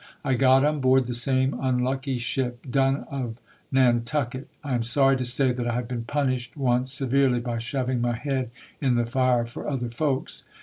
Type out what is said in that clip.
I got on board the same unlucky ship "Done of Nantucket". I am sorry to say that I have been punished once severely by shoving my head in the fire for other folks.